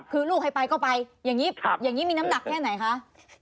คือลูกให้ไปก็ไปอย่างนี้อย่างนี้มีน้ำหนักแค่ไหนคะ